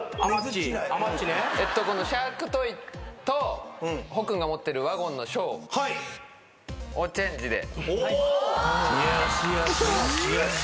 シャークトイとほっくんが持ってるワゴンの小をチェンジで。